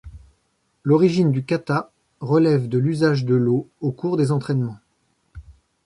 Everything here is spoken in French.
L'origine du kata relève de l'usage de l'eau au cours des entraînements.